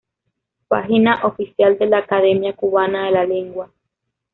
Página oficial de la Academia Cubana de la Lengua